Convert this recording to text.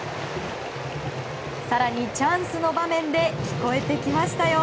更にチャンスの場面で聴こえてきましたよ